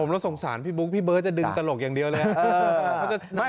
แล้วสงสารพี่บุ๊คพี่เบิร์ตจะดึงตลกอย่างเดียวเลย